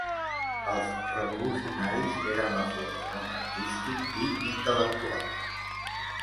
Els revolucionaris eren la flor del món artístic i intel·lectual.